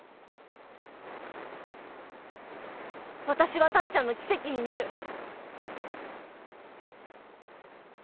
私はタッちゃんの奇跡になる。